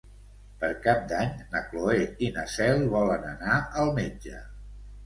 Per Cap d'Any na Cloè i na Cel volen anar al metge.